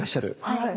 はい。